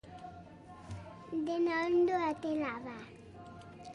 Dena ondo atera da.